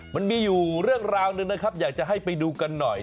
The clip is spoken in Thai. มันมีอยู่เรื่องราวหนึ่งนะครับอยากจะให้ไปดูกันหน่อย